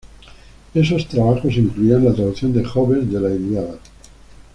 Esos trabajos incluían la traducción de Hobbes de la "Ilíada".